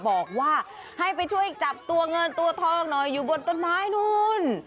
บอกว่าให้ไปช่วยจับตัวเงินตัวทองหน่อยอยู่บนต้นไม้นู้น